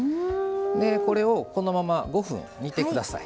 これをこのまま５分煮てください。